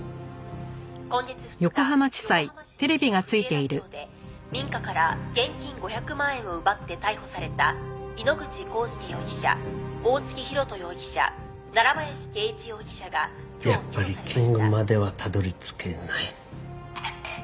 「今月２日横浜市西区藤枝町で民家から現金５００万円を奪って逮捕された井ノ口浩輔容疑者大月博人容疑者林圭一容疑者が」やっぱりキングまではたどり着けない。